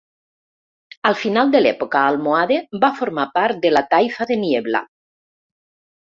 Al final de l'època almohade va formar part de la taifa de Niebla.